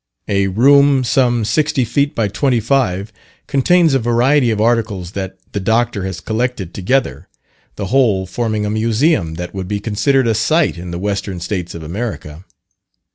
A room some 60 feet by 25 contains a variety of articles that the Dr. has collected together the whole forming a museum that would be considered a sight in the Western States of America.